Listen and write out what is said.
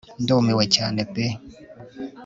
ndumiwe cyane pe